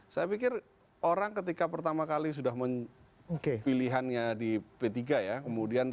saya pikir orang ketika pertama kali sudah memilihannya di p tiga ya